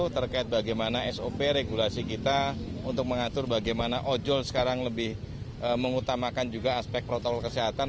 terkait bagaimana sop regulasi kita untuk mengatur bagaimana ojol sekarang lebih mengutamakan juga aspek protokol kesehatan